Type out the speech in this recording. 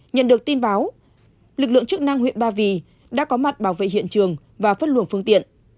nhận được tin báo lực lượng chức năng huyện ba vì đã có mặt bảo vệ hiện trường và phân luồng phương tiện